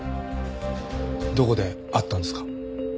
どこで会ったんですか？